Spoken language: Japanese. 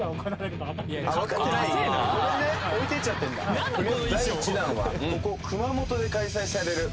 とりあえず第１弾はここ熊本で開催される